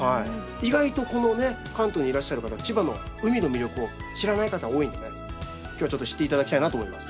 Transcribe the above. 意外とこのね関東にいらっしゃる方千葉の海の魅力を知らない方多いので今日はちょっと知って頂きたいなと思います。